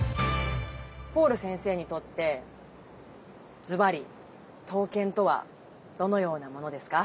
ポール先生にとってずばり刀剣とはどのようなものですか？